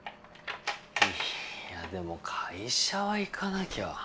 でも会社は行かなきゃ。